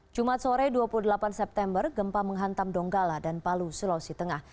jumat sore dua puluh delapan september gempa menghantam donggala dan palu sulawesi tengah